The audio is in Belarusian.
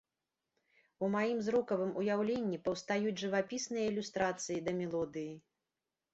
У маім зрокавым уяўленні паўстаюць жывапісныя ілюстрацыі да мелодыі.